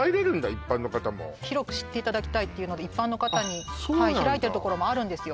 一般の方も広く知っていただきたいっていうので一般の方に開いてるところもあるんですよ